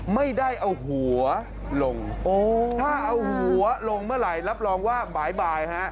ไม่ได้เอาหัวลงโอ้ถ้าเอาหัวลงเมื่อไหร่รับรองว่าบ่ายฮะ